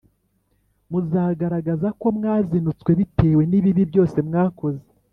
muzagaragaza ko mwazinutswe bitewe n ibibi byose mwakoze